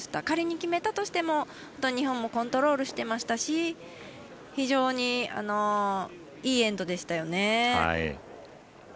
仮に決めたとしても日本もコントロールしてましたし非常に、いいエンドでしたよね。